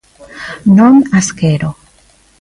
¡Non as quero!